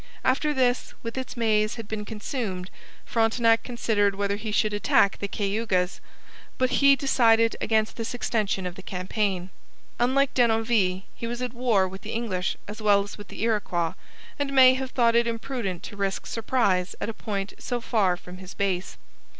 After this, with its maize, had been consumed, Frontenac considered whether he should attack the Cayugas, but he decided against this extension of the campaign. Unlike Denonville, he was at war with the English as well as with the Iroquois, and may have thought it imprudent to risk surprise at a point so far from his base.